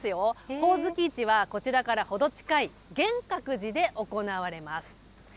ほおずき市は、こちらからほど近いげんかく寺で行われます。